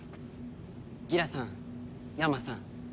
ギラさんヤンマさん